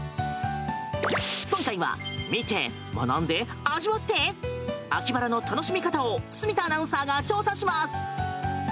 今回は見て、学んで、味わって秋バラの楽しみ方を住田アナウンサーが調査します！